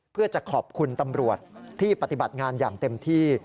เพื่อจะขอบคุณตำรวจที่ปฏิบัติงานอย่างเต็มที่